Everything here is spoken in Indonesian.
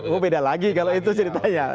oh beda lagi kalau itu sih ditanya